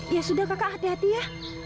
ya sudah kakak hati hati ya